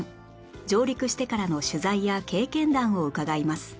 上陸してからの取材や経験談を伺います